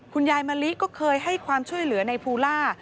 มะลิก็เคยให้ความช่วยเหลือในภูล่า